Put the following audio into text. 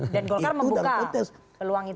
dan golkar membuka peluang itu